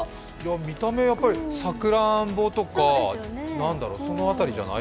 見た目、さくらんぼとかその辺りじゃない？